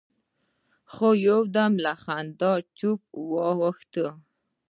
خو يودم له خندا چپه واوښت.